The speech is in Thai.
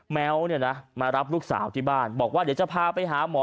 แม้วเนี่ยนะมารับลูกสาวที่บ้านบอกว่าเดี๋ยวจะพาไปหาหมอ